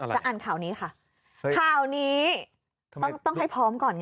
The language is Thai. อ่านข่าวนี้ค่ะข่าวนี้ต้องให้พร้อมก่อนไง